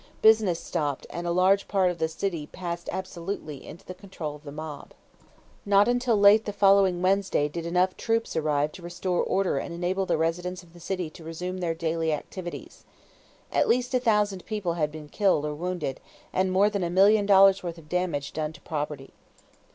Business stopped and a large part of the city passed absolutely into the control of the mob. Not until late the following Wednesday did enough troops arrive to restore order and enable the residents of the city to resume their daily activities. At least a thousand people had been killed or wounded and more than a million dollars' worth of damage done to property.